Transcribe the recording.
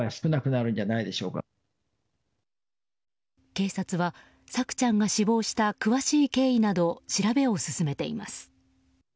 警察は、朔ちゃんが死亡した詳しい経緯など調べを進めています。